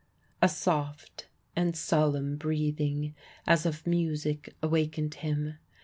A soft and solemn breathing, as of music, awakened him.